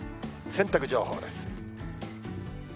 洗濯情報です。